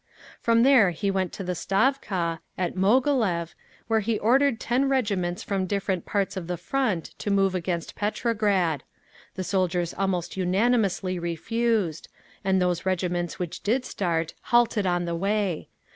From there he went to the Stavka, at Moghilev, where he ordered ten regiments from different parts of the Front to move against Petrograd. The soldiers almost unanimously refused; and those regiments which did start halted on the way.